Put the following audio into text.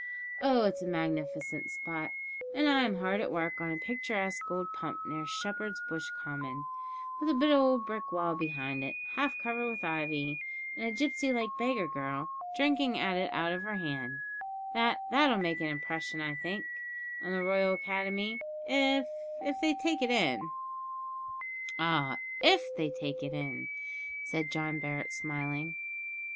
Oh! it's a magnificent spot, and I'm hard at work on a picturesque old pump near Shepherd's Bush Common, with a bit of old brick wall behind it, half covered with ivy, and a gipsy like beggar girl drinking at it out of her hand; that that'll make an impression, I think, on the Royal Academy, if if they take it in." "Ah! if they take it in," said John Barret, smiling.